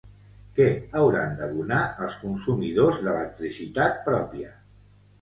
Què hauran d'abonar els consumidors d'electricitat pròpia?